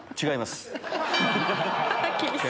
違います。